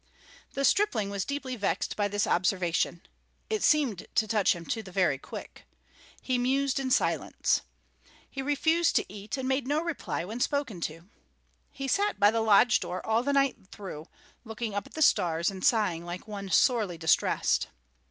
The stripling was deeply vexed by this observation; it seemed to touch him to the very quick. He mused in silence. He refused to eat and made no reply when spoken to. He sat by the lodge door all the night through, looking up at the stars and sighing like one sorely distressed.